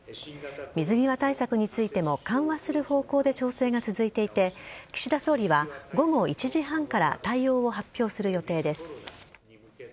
水際対策についても緩和する方向で調整が続いていて岸田総理は午後１時半から対応を発表する予定です。